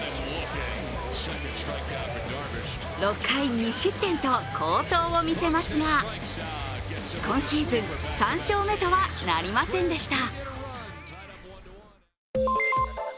６回２失点と好投を見せますが今シーズン、３勝目とはなりませんでした。